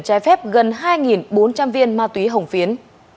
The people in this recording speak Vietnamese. trái phép gần hai bốn trăm linh viên ma túy hồng phiến